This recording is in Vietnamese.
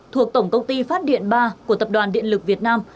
thuộc tổng công ty phát điện ba của tập đoàn điện lực việt nam